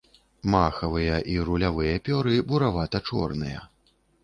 Махавыя і рулявыя пёры буравата-чорныя.